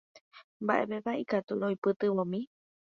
Mba'épepa ikatu roipytyvõmi.